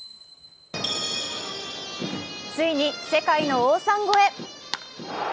ついに世界の王さん超え。